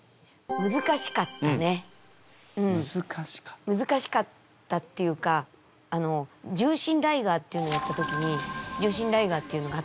むずかしかったっていうかあの「獣神ライガー」っていうのをやった時に「獣神ライガー」っていうのがあったんですよ。